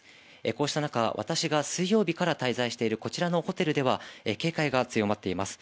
こうした中、私が水曜日から滞在してるこちらのホテルでは警戒が強まっています。